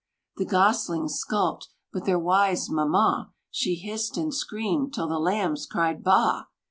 The Goslings skulked; but their wise mamma, She hissed, and screamed, till the Lambs cried, "Ba a!"